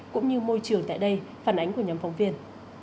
cũng như môi trường tại đây phản ánh của nhóm phóng viên